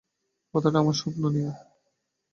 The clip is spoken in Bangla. কথাটা আমার স্বপ্ন নিয়ে।